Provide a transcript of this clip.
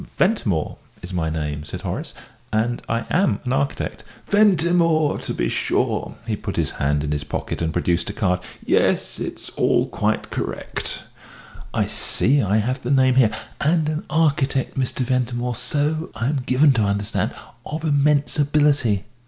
"Ventimore is my name," said Horace, "and I am an architect." "Ventimore, to be sure!" he put his hand in his pocket and produced a card: "Yes, it's all quite correct: I see I have the name here. And an architect, Mr. Ventimore, so I I am given to understand, of immense ability."